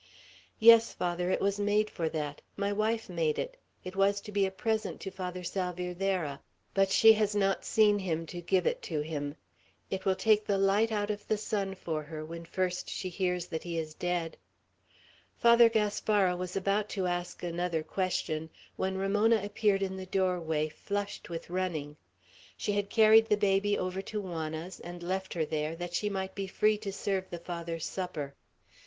"Yes, Father, it was made for that. My wife made it. It was to be a present to Father Salvierderra; but she has not seen him, to give it to him. It will take the light out of the sun for her, when first she hears that he is dead." Father Gaspara was about to ask another question, when Ramona appeared in the doorway, flushed with running. She had carried the baby over to Juana's and left her there, that she might be free to serve the Father's supper.